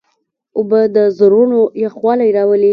اوبه د زړونو یخوالی راولي.